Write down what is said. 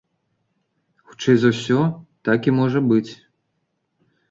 Хутчэй за ўсё, так і можа быць.